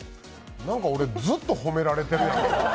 なんか俺、ずっと褒められてるやん。